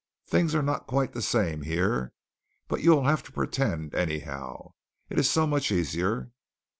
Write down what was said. Things are not quite the same here, but you will have to pretend, anyhow. It is so much easier."